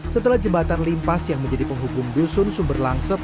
setelah jembatan limpas yang menjadi penghukum dusun sumber langsep